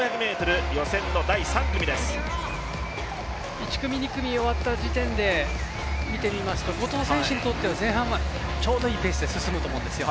１組、２組終わった時点で見てみますと後藤選手にとっては前半はちょうどいいペースで進むと思うんですよ。